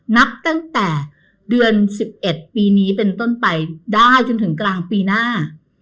นับตั้งแต่เดือน๑๑ปีนี้เป็นต้นไปได้จนถึงกลางปีหน้า